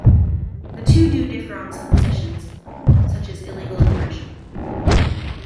The two do differ on some positions, such as illegal immigration.